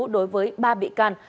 đối với ba bị can